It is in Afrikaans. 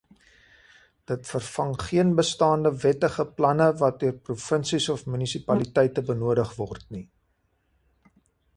Dit vervang geen bestaande wettige planne wat deur provinsies of munisipaliteite benodig word nie.